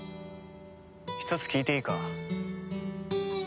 一つ聞いていいか？